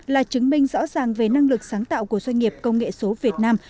là chứng minh rõ ràng về năng lực sáng tạo của doanh nghiệp công nghệ số việt nam